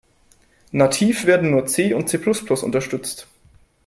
Nativ werden nur C und C-plus-plus unterstützt.